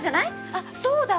あっそうだ！